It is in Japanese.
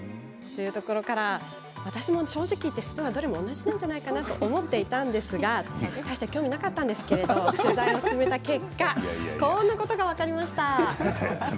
私も正直言ってスプーンはどれも同じじゃないかなと思っていたんですが大して興味なかったんですけれども取材を進めた結果こんなことが分かりました。